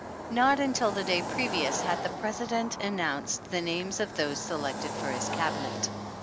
Not until the day previous had the President an nounced the names of those selected for his Cabinet.